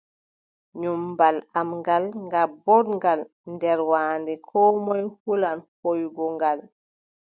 Ƴommbal am ngal, ngal booɗngal nder waande, koo moy hulan hooygo ngal.